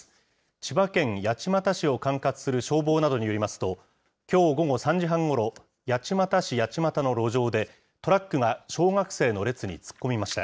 千葉県八街市を管轄する消防などによりますと、きょう午後３時半ごろ、八街市八街の路上で、トラックが小学生の列に突っ込みました。